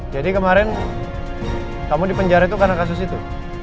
jadi kemarin kamu dipenjara itu karena kasus itu